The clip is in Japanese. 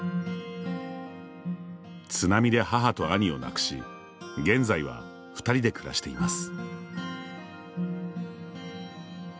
津波で母と兄を亡くし現在は２人で暮らしています。